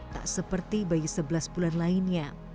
tak seperti bayi sebelas bulan lainnya